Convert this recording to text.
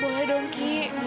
boleh dong ki